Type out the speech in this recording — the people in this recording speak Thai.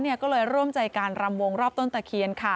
ยังไงล่ะ